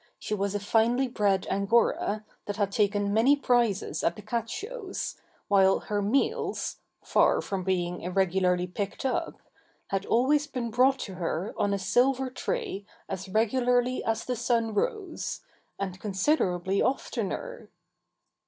She was a finely bred Angora that had taken many prizes at the cat shows, while her meals far from being irregularly picked up had always been brought to her on a silver tray as regularly as the sun rose and considerably oftener!